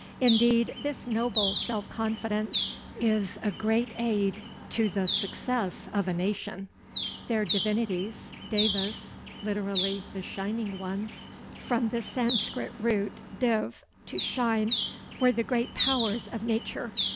Indeed, this noble self confidence is a great aid to the success of a nation. Their divinities devas, literally "the shining ones," from the Sanscrit root div, "to shine" were the great powers of nature.